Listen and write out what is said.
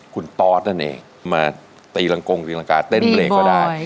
คุณตอสนั่นเองมาตีรังกงตีรังกาเต้นเพลงก็ได้